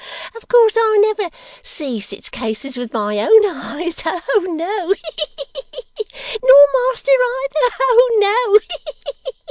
Of course I never see sich cases with my own eyes ho no! He he he! Nor master neither ho no!